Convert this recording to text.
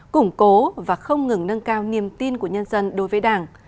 củng cố và không ngừng nâng cao niềm tin của nhân dân đối với đảng